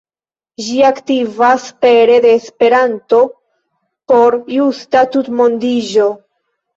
Ĝi aktivas pere de Esperanto por justa tutmondiĝo.